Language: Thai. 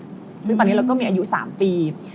ซึ่งตอนนี้เราก็มีอายุ๓ปี